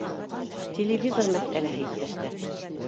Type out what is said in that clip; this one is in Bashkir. — Телевизор мәсьәләһе, иптәштәр